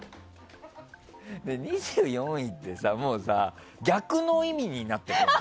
２４位ってさ、もうさ逆の意味になってるよね。